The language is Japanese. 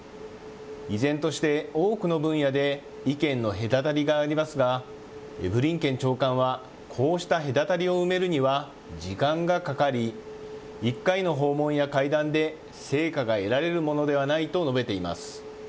依然として多くの分野で意見の隔たりがありますが、ブリンケン長官は、こうした隔たりを埋めるには時間がかかり、１回の訪問や会談で成果が得られるものではないと述べています。